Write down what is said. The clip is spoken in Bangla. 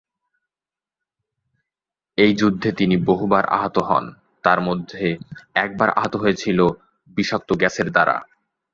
এই যুদ্ধে তিনি বহুবার আহত হন, তার মধ্যে একবার আহত হয়েছিল বিষাক্ত গ্যাসের দ্বারা।